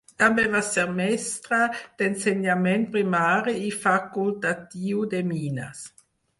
També va ser mestre d'ensenyament primari i facultatiu de mines.